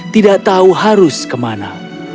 tidak tahu harus kemana